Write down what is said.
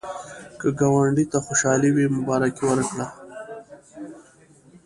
که ګاونډي ته خوشالي وي، مبارکي ورکړه